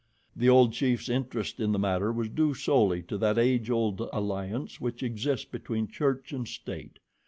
The old chief's interest in the matter was due solely to that age old alliance which exists between church and state.